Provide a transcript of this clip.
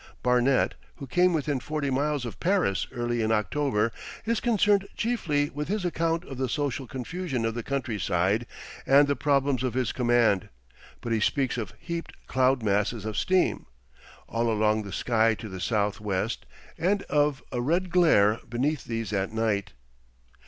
Barnet, who came within forty miles of Paris early in October, is concerned chiefly with his account of the social confusion of the country side and the problems of his command, but he speaks of heaped cloud masses of steam. 'All along the sky to the south west' and of a red glare beneath these at night.